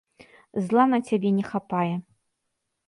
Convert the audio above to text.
Зла на цябе не хапае.